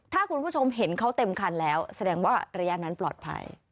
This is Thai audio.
ถ้าคุณผู้ชมเห็นเขาเต็มคันแล้วแสดงว่าระยะนั้นปลอดภัย